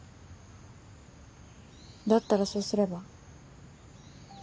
だったらそうすれば？